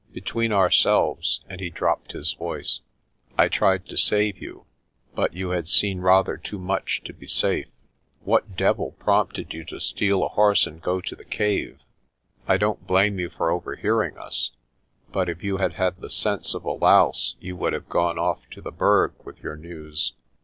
Between ourselves," and he dropped his voice, "I tried to save you; but you had seen rather too much to be safe. What devil prompted you to steal a horse and go to the cave? I don't blame you for overhearing us; but if you had had the sense of a louse you would have gone off to the Berg with your news.